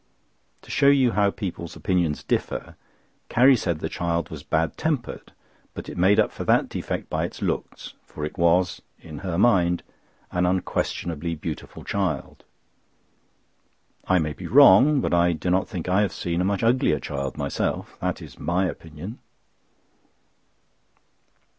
To show you how people's opinions differ, Carrie said the child was bad tempered, but it made up for that defect by its looks, for it was—in her mind—an unquestionably beautiful child. I may be wrong, but I do not think I have seen a much uglier child myself. That is my opinion.